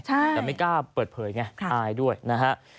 แต่ไม่กล้าเปิดเผยไงอายด้วยนะฮะ